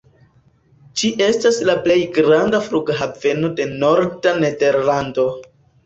Ĝi estas la plej granda flughaveno de norda Nederlando.